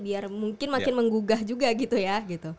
biar mungkin makin menggugah juga gitu ya